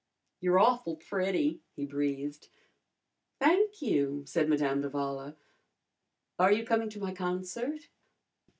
"You're awful pretty," he breathed. "Thank you," said Madame d'Avala. "Are you coming to my concert?"